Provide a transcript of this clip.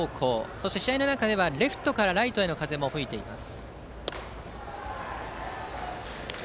そして試合の中ではレフトからライトへの風も吹いています。